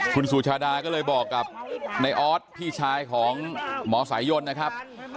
คุณสุชาดาก็เลยบอกกับนายออสพี่ชายของหมอสายยนนะครับ